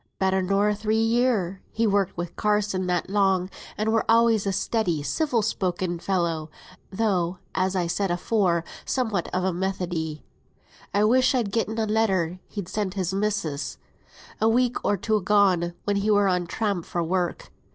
"Better nor three year. He's worked wi' Carsons that long, and were alway a steady, civil spoken fellow, though, as I said afore, somewhat of a Methodee. I wish I'd gotten a letter he sent his missis, a week or two agone, when he were on tramp for work.